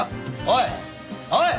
おい！